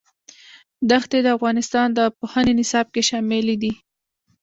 دښتې د افغانستان د پوهنې نصاب کې شامل دي.